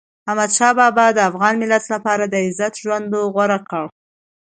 احمدشاه بابا د افغان ملت لپاره د عزت ژوند غوره کړ.